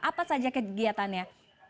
apa saja kegiatannya